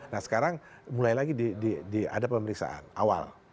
nah sekarang mulai lagi ada pemeriksaan awal